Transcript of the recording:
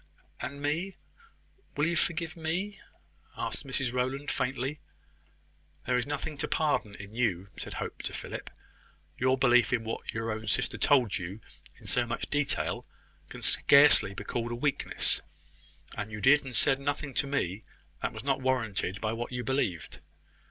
"And me! Will you forgive me?" asked Mrs Rowland, faintly. "There is nothing to pardon in you," said Hope to Philip. "Your belief in what your own sister told you in so much detail can scarcely be called a weakness; and you did and said nothing to me that was not warranted by what you believed.